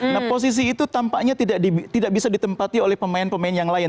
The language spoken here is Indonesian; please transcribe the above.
nah posisi itu tampaknya tidak bisa ditempati oleh pemain pemain yang lain